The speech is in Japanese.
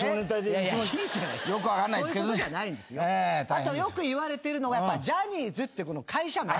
あとよく言われてるのがジャニーズって会社名。